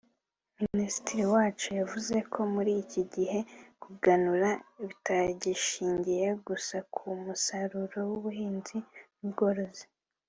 Minisitiri Uwacu yavuze ko muri iki gihe kuganura bitagishingiye gusa ku musaruro w’ubuhinzi n’ubworozi